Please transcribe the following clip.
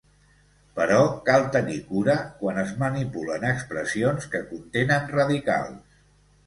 Però cal tenir cura quan es manipulen expressions que contenen radicals.